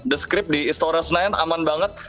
the script di istora senayan aman banget